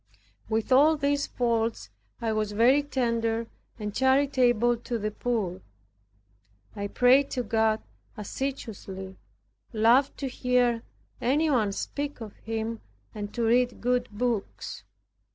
With all these faults I was very tender and charitable to the poor. I prayed to God assiduously, loved to hear any one speak of Him and to read good books.